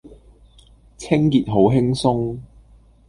清潔好輕鬆